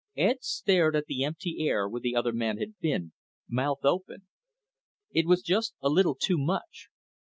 Ed stared at the empty air where the other man had been, mouth open. It was just a little too much.